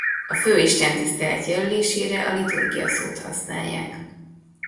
A fő istentisztelet jelölésére a liturgia szót használják.